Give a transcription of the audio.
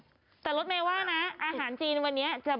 ลีน่าจังลีน่าจังลีน่าจังลีน่าจังลีน่าจังลีน่าจัง